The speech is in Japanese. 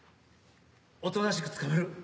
おとなしく捕まる。